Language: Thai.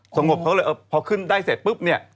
สงบเขาเลยพอขึ้นได้เสร็จปุ๊บเนี่ย